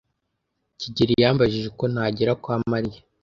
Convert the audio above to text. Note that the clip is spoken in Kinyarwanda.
kigeli yambajije uko nagera kwa Mariya.